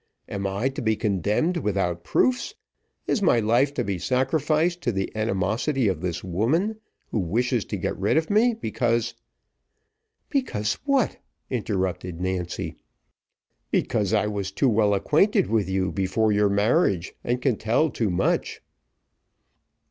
Am I to be condemned without proofs? Is my life to be sacrificed to the animosity of this woman, who wishes to get rid of me, because " "Because what?" interrupted Nancy. "Because I was too well acquainted with you before your marriage, and can tell too much."